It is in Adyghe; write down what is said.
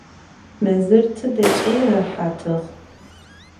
Mezır tıdeç'i rehatığ.